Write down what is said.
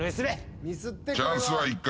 チャンスは１回。